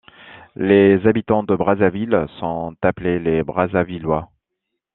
Les habitants de Brazzaville sont appelés les Brazzavillois.